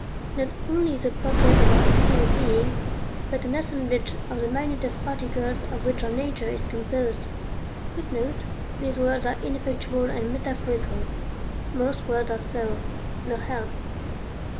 Not only the portrait of our external being, but an assemblage of the minutest particles of which our nature is composed;[Footnote: These words are ineffectual and metaphorical. Most words are so No help!